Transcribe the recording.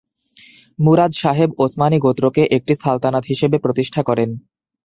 মুরাদ সাবেক ওসমানি গোত্রকে একটি সালতানাত হিসেবে প্রতিষ্ঠা করেন।